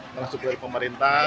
terus dari pemerintah